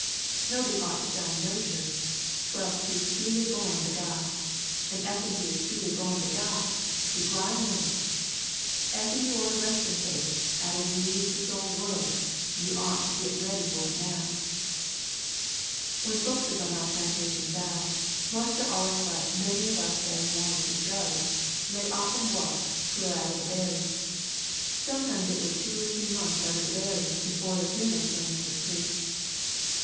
Nobody ought to jine no church twels't he is truly borned of God, and effen he is truly borned of God he gwine know it. Effen you want a restin' place atter you leaves this old world you ought to git ready for it now! "When folkses on our plantation died Marster allus let many of us as wanted to go, lay offen wuk twel atter the buryin'. Sometimes it were two or three months atter the buryin' befo' the funeral sermon was preached.